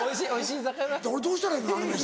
俺どうしたらいいの？